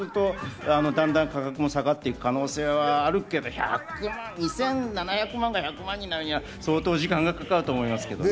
だんだんと価格も下がっていく可能性はあるでしょうが、２７００万が１００万になるのは相当時間がかかると思いますが。